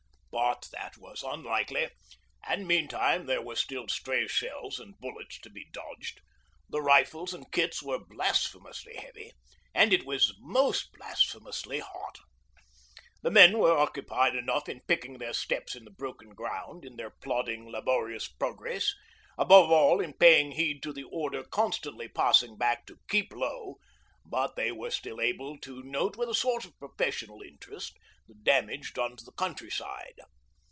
But that was unlikely, and meantime there were still stray shells and bullets to be dodged, the rifles and kits were blasphemously heavy, and it was most blasphemously hot. The men were occupied enough in picking their steps in the broken ground, in their plodding, laborious progress, above all in paying heed to the order constantly passing back to 'keep low,' but they were still able to note with a sort of professional interest the damage done to the countryside.